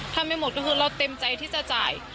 ทำให้หมดก็คือเราเต็มใจที่จะจ่าย